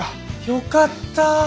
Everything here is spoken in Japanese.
よかったぁ。